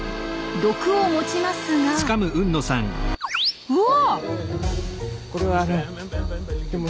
毒を持ちますがうわ！